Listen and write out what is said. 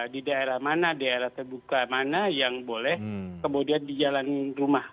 di daerah mana daerah terbuka mana yang boleh kemudian di jalan rumah